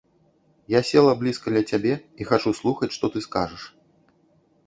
Я села блізка ля цябе і хачу слухаць, што ты скажаш.